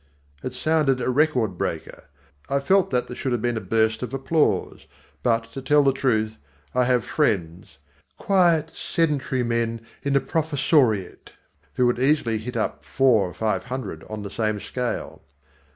It sounded a record breaker. I felt that there should have been a burst of applause. But, to tell the truth, I have friends quiet sedentary men in the professoriate who would easily hit up four or five hundred on the same scale.